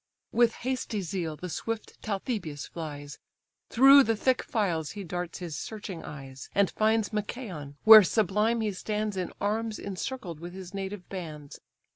With hasty zeal the swift Talthybius flies; Through the thick files he darts his searching eyes, And finds Machaon, where sublime he stands In arms incircled with his native bands.